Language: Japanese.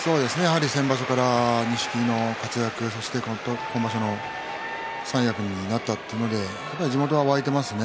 先場所から錦木の活躍そして今場所三役になったというので地元は沸いていますね。